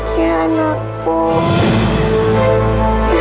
adik namanya siapa adik